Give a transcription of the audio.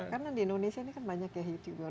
karena di indonesia ini kan banyak ya youtuber